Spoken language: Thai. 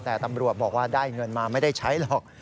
แต่ตำรวจบอกว่าได้เงินมาไม่ได้ใช้หรอก